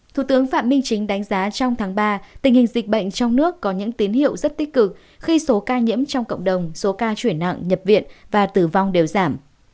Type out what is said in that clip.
thủ tướng phạm minh chính đánh giá trong tháng ba tình hình dịch bệnh trong nước có những tín hiệu rất tích cực khi số ca nhiễm trong cộng đồng số ca chuyển nặng nhập viện và tử vong đều giảm